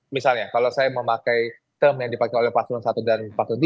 misalnya kalau saya memakai term yang dipakai oleh paslon satu dan paslon tiga